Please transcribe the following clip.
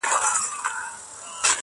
و دهقان ته يې ورپېښ کړل تاوانونه.!